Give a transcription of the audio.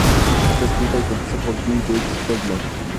Está escrita y compuesta por Jean-Jacques Goldman.